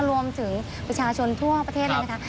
รวมถึงประชาชนทั่วประเทศเลยนะคะ